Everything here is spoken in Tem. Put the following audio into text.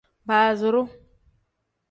Baaziru.